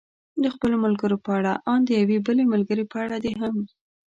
د خپلو ملګرو په اړه، ان د یوې بلې ملګرې په اړه دې هم.